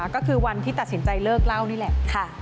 ก็คือวันที่ตัดสินใจเลิกเล่านี่แหละ